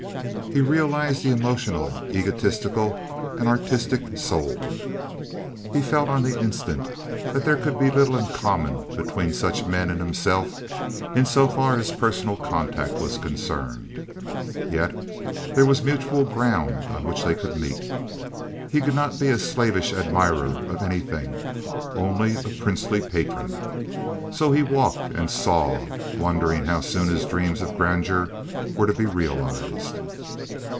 He realized the emotional, egotistic, and artistic soul. He felt on the instant that there could be little in common between such men and himself in so far as personal contact was concerned, yet there was mutual ground on which they could meet. He could not be a slavish admirer of anything, only a princely patron. So he walked and saw, wondering how soon his dreams of grandeur were to be realized.